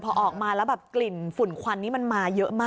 พอออกมาแล้วแบบกลิ่นฝุ่นควันนี้มันมาเยอะมาก